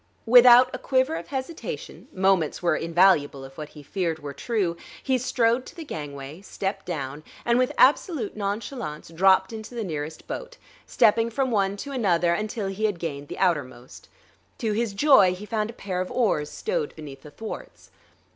Without a quiver of hesitation moments were invaluable, if what he feared were true he strode to the gangway, passed down, and with absolute nonchalance dropped into the nearest boat, stepping from one to another until he had gained the outermost. To his joy he found a pair of oars stowed beneath the thwarts.